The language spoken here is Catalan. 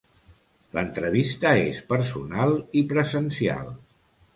L'entrevista és personal i presencial.